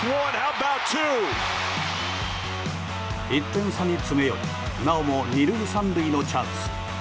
１点差に詰め寄りなおも２塁３塁のチャンス。